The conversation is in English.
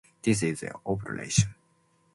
This is ovulation.